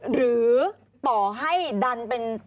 หรือต่อให้ดัน